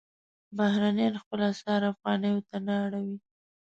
بهرنیان خپل اسعار افغانیو ته نه اړوي.